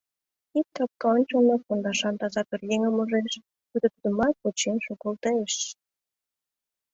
Ик капка ончылно пондашан таза пӧръеҥым ужеш, пуйто тудымак вучен шогылтеш.